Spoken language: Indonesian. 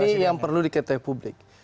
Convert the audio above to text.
ini sih yang perlu diketahui publik